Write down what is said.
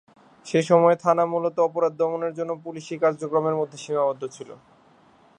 সে সময়ে থানা মূলতঃ অপরাধ দমনের জন্য পুলিশী কার্যক্রমের মধ্যে সীমাবদ্ধ ছিল।